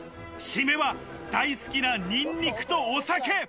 締めは大好きなニンニクとお酒。